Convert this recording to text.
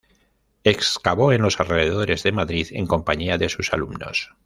Excavó en los alrededores de Madrid en compañía de sus alumnos.